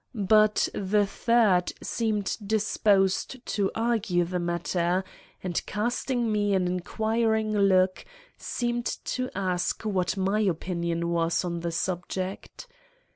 But the third seemed disposed to argue the matter, and, casting me an inquiring look, seemed to ask what my opinion was on the subject.